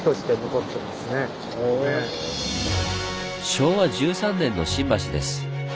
昭和１３年の新橋です。